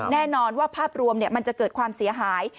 แน่นอนว่าภาพรวมมันจะเกิดความเสียหาย